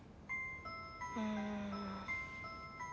うん。